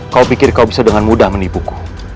kau pikir kau bisa dengan mudah menipuku